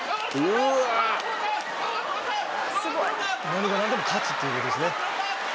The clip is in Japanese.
何が何でも勝つっていうことですね。